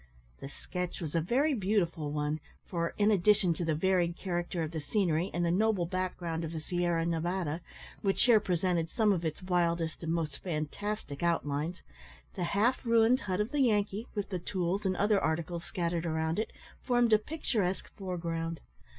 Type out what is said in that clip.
The sketch was a very beautiful one, for, in addition to the varied character of the scenery and the noble background of the Sierra Nevada, which here presented some of its wildest and most fantastic outlines, the half ruined hut of the Yankee, with the tools and other articles scattered around it, formed a picturesque foreground.